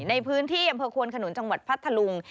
ในพื้นที่อำเภอควนขนุนจังหวัดพัทธลุง